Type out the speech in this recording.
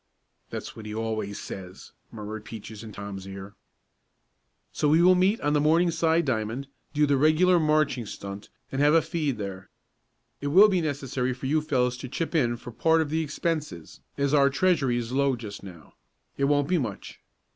"That's what he always says," murmured Peaches in Tom's ear. "So we will meet on the Morningside diamond, do the regular marching stunt and have a feed there. It will be necessary for you fellows to chip in for part of the expenses as our treasury is low just now. It won't be much.